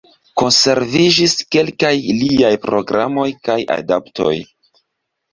Konserviĝis kelkaj liaj programoj kaj adaptoj.